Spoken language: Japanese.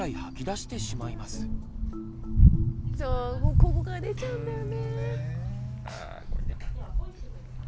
ここから出ちゃうんだよね。